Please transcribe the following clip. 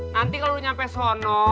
nanti kalau nyampe sono